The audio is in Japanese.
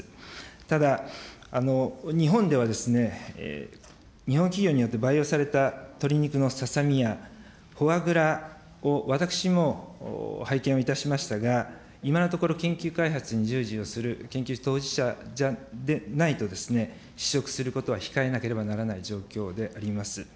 ただ、日本では、日本企業によって培養された鶏肉のささ身や、フォアグラを、私も拝見をいたしましたが、今のところ、研究開発に従事をする研究当事者でないと、試食することは控えなければならない状況であります。